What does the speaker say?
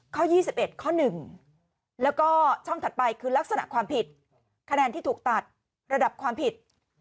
๒๑ข้อ๑แล้วก็ช่องถัดไปคือลักษณะความผิดคะแนนที่ถูกตัดระดับความผิด